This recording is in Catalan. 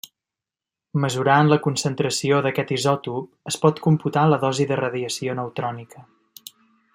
Mesurant la concentració d'aquest isòtop, es pot computar la dosi de radiació neutrònica.